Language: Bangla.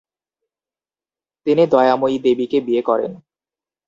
তিনি দয়াময়ী দেবী কে বিয়ে করেন ।